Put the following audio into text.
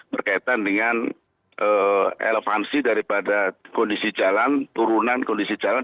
berkaitan dengan elevansi daripada kondisi jalan turunan kondisi jalan